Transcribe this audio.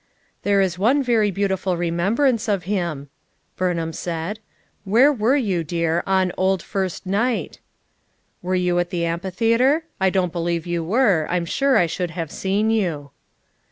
"There is one very beautiful remembrance of him," Burnham said. "Where were you, dear, on 'Old first night'? Were you at the FOUR MOTHERS AT CHAUTAUQUA 81)7 amphitheater? I don't believe you were; I'm sure I should have seen you."